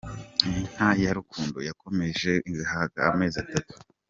Inka ya Rukundo, yakomerekejwe ihaka amezi atatu.